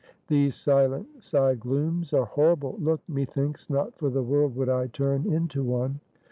"These silent side glooms are horrible; look! Methinks, not for the world would I turn into one."